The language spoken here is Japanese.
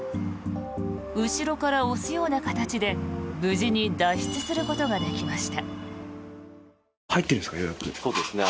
後ろから押すような形で無事に脱出することができました。